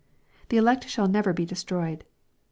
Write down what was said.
The elect shall never be destroyed.